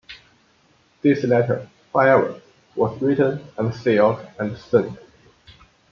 This letter, however, was written, and sealed, and sent.